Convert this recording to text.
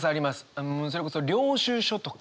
もうそれこそ領収書とか。